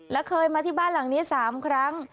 และเคยมาที่บ้านหลังนี้๓ครั้ง